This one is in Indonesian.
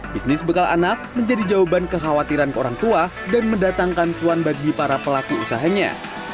bisnis bekal anak menjadi jawaban kekhawatiran ke orang tua dan mendatangkan cuan bagi para pelaku usahanya